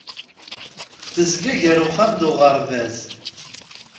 Tezga gar uxxam d uɣerbaz.